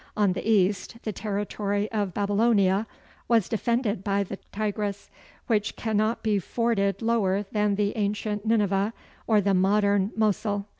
On the east, the territory of Babylonia was defended by the Tigris, which cannot be forded lower than the ancient Nineveh or the modern Mosul.